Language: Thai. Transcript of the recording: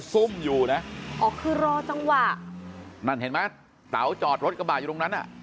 ซุ่มอยู่นะอ๋อคือรอจังหวะนั่นเห็นไหมเต๋าจอดรถกระบาดอยู่ตรงนั้นอ่ะ